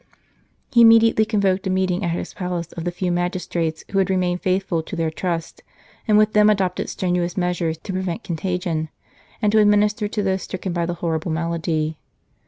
He immediately convoked a meeting at his palace of the few magistrates who had remained faithful to their trust, and with them adopted strenuous measures to prevent contagion, and to administer to those stricken by the horrible malady.